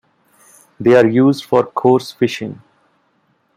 They are used for course fishing.